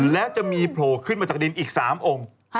และจะมีโผล่ขึ้นมาจากดินอีก๓องค์